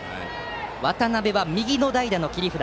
渡邉は右の代打の切り札。